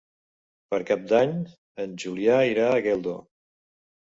Per Cap d'Any en Julià irà a Geldo.